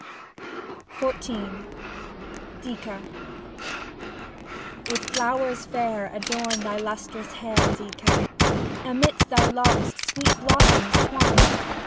3^ XIV DICA With flowers fair adorn thy lustrous hair, Dica, amidst thy locks sweet blos soms twine.